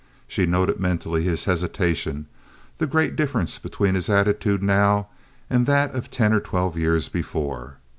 She noted mentally his hesitation, the great difference between his attitude now and that of ten or twelve years before.